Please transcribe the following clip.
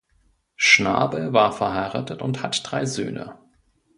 Schnabel war verheiratet und hat drei Söhne.